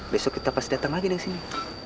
besok kita pasti datang lagi deh kesini